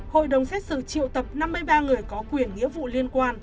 hội đồng xét xử triệu tập năm mươi ba người có quyền nghĩa vụ liên quan